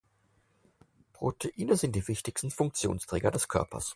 Proteine sind die wichtigsten Funktionsträger des Körpers.